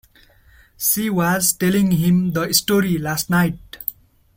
She was telling him the story last night.